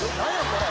これ！